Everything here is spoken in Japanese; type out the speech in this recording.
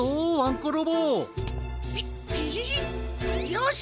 よし！